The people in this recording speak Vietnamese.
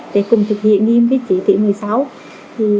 để cùng thực hiện nhiệm vụ chỉ tỉnh